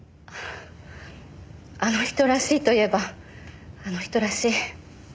あの人らしいといえばあの人らしい。